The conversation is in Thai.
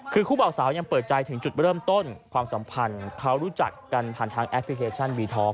คือคู่บ่าวสาวยังเปิดใจถึงจุดเริ่มต้นความสัมพันธ์เขารู้จักกันผ่านทางแอปพลิเคชันวีทอล